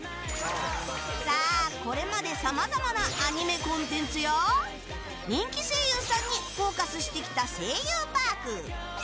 さあ、これまでさまざまなアニメコンテンツや人気声優さんにフォーカスしてきた「声優パーク」。